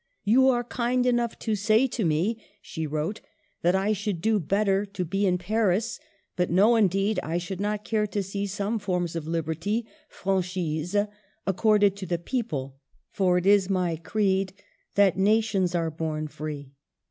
You are kind enough to say to me," she wrote, " that I should do better to be in Paris. But no, indeed, I should not care to see some forms of liberty {franchises) 'accorded' to the people, for it is my creed that nations are born free.